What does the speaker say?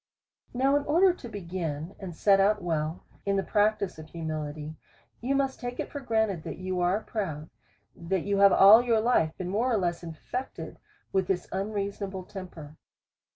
Now in order to begin, and set out well in the prac tice of humility, you must take it for granted, that you are proud, that you have all your life been more or less infected with this unreasonable temper.